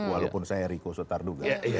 walaupun saya riko sutar duga